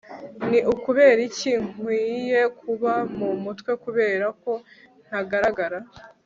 ni ukubera iki nkwiye kuba mu mutwe kubera ko ntagaragara